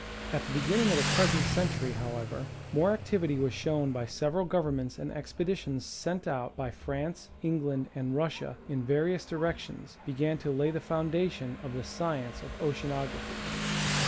At the beginning of the present century, however, more activ ity was shown by several governments, and expeditions sent out by France, England and Russia, in various directions, began to lay the foundation of the science of Oceanography.